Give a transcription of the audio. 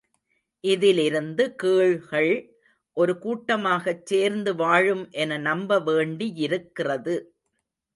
இதிலிருந்து கீழ்கள் ஒரு கூட்டமாகச் சேர்ந்து வாழும் என நம்ப வேண்டியிருக்கிறது.